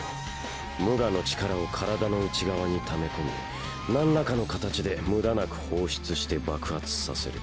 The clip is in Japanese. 無我の力を体の内側にため込みなんらかの形で無駄なく放出して爆発させる。